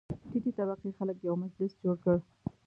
ټیټې طبقې خلک یو مجلس جوړ کړ.